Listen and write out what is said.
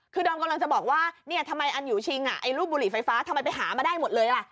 คือดอมกำลังจะบอกว่าเนี่ยทำไมอันอยู่ชิงรูปบุหรี่ไฟฟ้าทำไมไปหามาได้หมดเลยล่ะ